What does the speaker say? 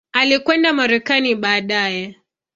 Alikwenda Marekani baadaye.